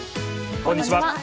こんにちは。